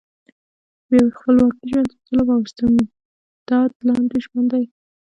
بې خپلواکۍ ژوند د ظلم او استبداد لاندې ژوند دی.